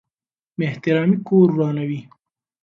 بې احترامي کور ورانوي.